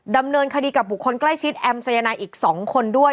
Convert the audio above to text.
ดำเนินคดีกับบุคคลใกล้ชิดแอมสายนายอีก๒คนด้วย